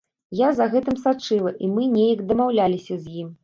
Я за гэтым сачыла і мы неяк дамаўляліся з ім.